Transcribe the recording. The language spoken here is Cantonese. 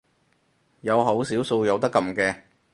有好少數有得撳嘅